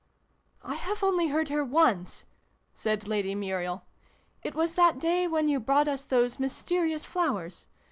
" I have only heard her once" said Lady Muriel. " It was that day when you brought us those mysterious flowers.